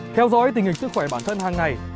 theo dõi tình hình sức khỏe bản thân hàng ngày